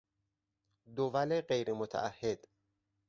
دول غیر متعهد